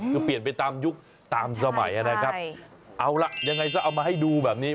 คือเปลี่ยนไปตามยุคตามสมัยนะครับเอาล่ะยังไงซะเอามาให้ดูแบบนี้